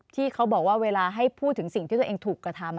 ที่เขาบอกว่าเวลาให้พูดถึงสิ่งที่ตัวเองถูกกระทำ